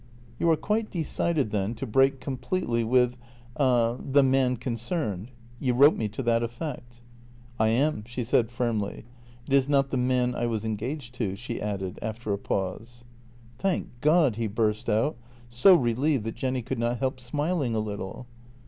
" You are quite decided, then, to break completely with — er — the man concerned? You wrote me to that effect." " I am," she said firmly. " It is not the man I was engaged to," she added, after a pause. "Thank God! " he burst out, so relieved that Jenny could not help smiling a little.